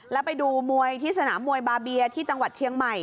แล้วไปดูมวยที่สนามมวยบาเบียที่จังหวัดเชียงใหม่